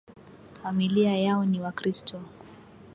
Familia yao ni wakristo